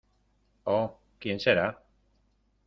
¡ oh!... ¿ quién será?